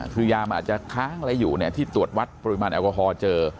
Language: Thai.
คือยามันอาจจะค้างอะไรอยู่ที่ตรวจวัดปริมาณแอลกอฮอล์เจอ